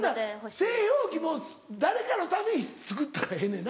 製氷機も誰かのために作ったらええねんな。